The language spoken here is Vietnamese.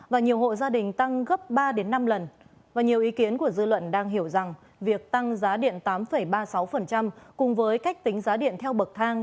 và nhiều hộ gia đình tăng gấp ba năm lần và nhiều ý kiến của dư luận đang hiểu rằng việc tăng giá điện tám ba mươi sáu cùng với cách tính giá điện theo bậc thang